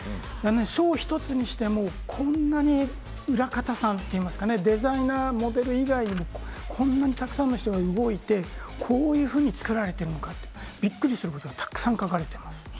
ショー１つにしてもこんなに裏方さんデザイナー、モデル以外にもこんなにもたくさんの人が動いてこういうふうに作られているのかと、びっくりすることがたくさん描かれています。